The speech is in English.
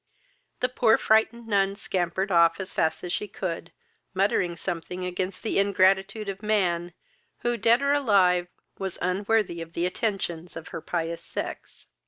The poor frightened nun scampered off as fast as she could, muttering something against the ingratitude of man, who, dead or alive, was unworthy the attentions of her pious sex.